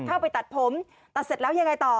เข้าไปตัดผมตัดเสร็จแล้วยังไงต่อ